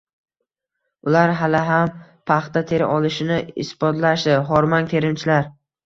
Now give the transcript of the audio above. Ular hali ham paxta tera olishini isbotlashdi: "Hormang, terimchilar!"